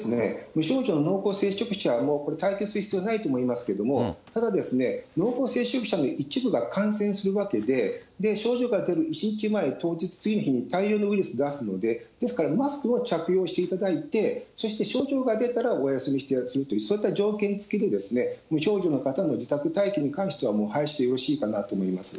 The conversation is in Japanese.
無症状濃厚接触者、これ待機する必要ないと思いますけれども、ただ、濃厚接触者の一部が感染するわけで、症状が出る１日前、当日、次の日に大量のウイルスを出すので、ですから、マスクを着用していただいて、そして症状が出たらお休みすると、そういった条件付きで、無症状の方の自宅待機に関しては、もう廃止でよろしいかなと思います。